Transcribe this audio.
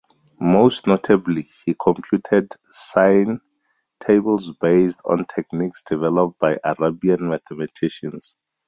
Most notably, he computed sine tables based on techniques developed by Arabian mathematicians.